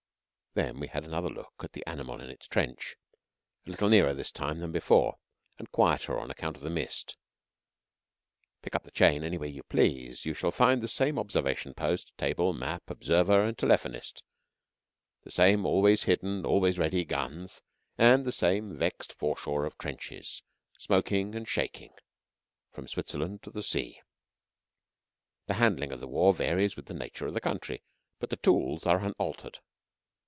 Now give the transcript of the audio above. Then we had another look at the animal in its trench a little nearer this time than before, and quieter on account of the mist. Pick up the chain anywhere you please, you shall find the same observation post, table, map, observer, and telephonist; the same always hidden, always ready guns; and same vexed foreshore of trenches, smoking and shaking from Switzerland to the sea. The handling of the war varies with the nature of the country, but the tools are unaltered.